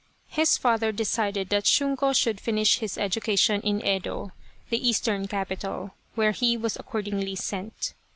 His father decided that Shunko should finish his education in Yedo, the Eastern capital, where he was accordingly sent.